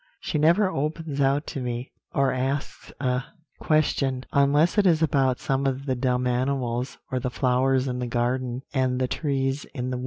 She never opens out to me, or asks a question, unless it is about some of the dumb animals, or the flowers in the garden, and the trees in the wood.'